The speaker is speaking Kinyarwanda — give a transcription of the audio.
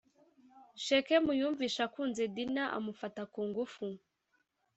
shekemu yumvise akunze dina amufata ku ngufu